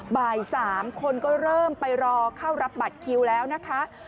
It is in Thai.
บ่าย๓คนก็เริ่มไปรอเข้ารับบัตรคิวแล้วนะคะ